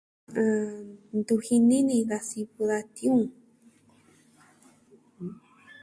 A... ntu jini ni da sivɨ da tiuun.